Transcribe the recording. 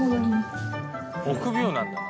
臆病なんだな。